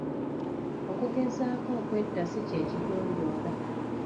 Okugezaako okwetta si kye kigonjoola.